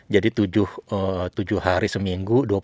jadi tujuh hari seminggu